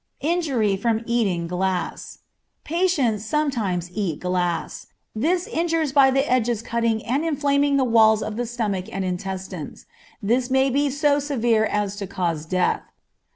Injury from Eating Glass. Patients sometimes eat glass. This injures by the edges cutting and inflaming the walls of the stomach and intestines. This may be so severe as to cause death.